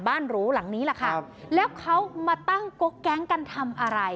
หรูหลังนี้แหละค่ะครับแล้วเขามาตั้งกกแก๊งกันทำอะไร